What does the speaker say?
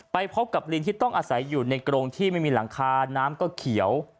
พบกับลิงที่ต้องอาศัยอยู่ในกรงที่ไม่มีหลังคาน้ำก็เขียว